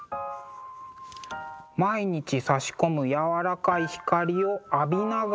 毎日さし込むやわらかい光を浴びながらの仕事。